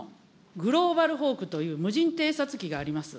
グローバルホークという無人偵察機があります。